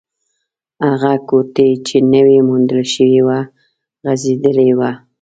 هغه کوټې چې نوې موندل شوې وه، غږېدلې وه.